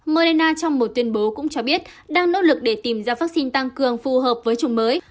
mona trong một tuyên bố cũng cho biết đang nỗ lực để tìm ra vaccine tăng cường phù hợp với chủng mới